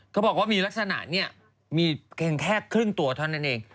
เขาบอกว่ามีลักษณะแค่แค่ครึ่งตัวเทาะนั่นเอง